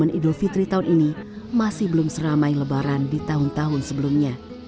idul fitri tahun ini masih belum seramai lebaran di tahun tahun sebelumnya